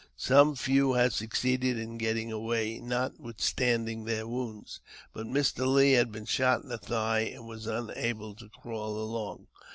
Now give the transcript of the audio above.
Some few had succeeded in getting away, notwithstanding their wounds ; but Mr. Lee had been shot in the thigh, and was unable to crawl along.